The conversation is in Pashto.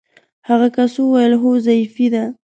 هغه کس وویل: هو ضعیفې دي.